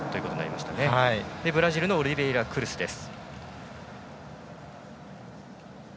そしてブラジルのオリベイラクルスです。